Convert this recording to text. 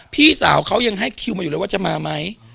พี่สาวเขายังให้คิวมาอยู่เลยว่าจะมาไหม